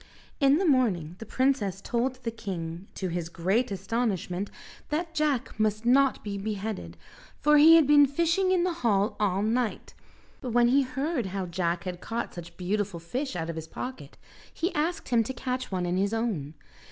In the morning the princess told the king, to his great astonishment, that Jack must not be beheaded, for he had been fishing in the hall all night; but when he heard how Jack had caught such beautiful fish out of his pocket, he asked him to catch one in his own.